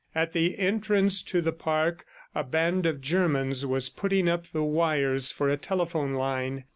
At the entrance to the park a band of Germans was putting up the wires for a telephone line.